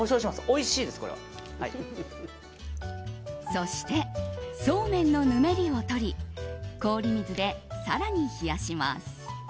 そして、そうめんのぬめりを取り氷水で更に冷やします。